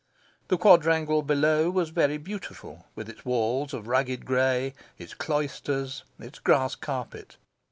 The quadrangle below was very beautiful, with its walls of rugged grey, its cloisters, its grass carpet.